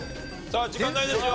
時間ないですよ。